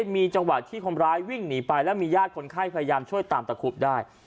มีจังหวะที่คนร้ายวิ่งหนีไปแล้วมีญาติคนไข้พยายามช่วยตามตะคุบได้